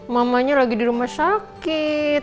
mamanya lagi di rumah sakit